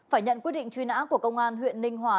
phải nhận quyết định truy nã của công an huyện ninh hòa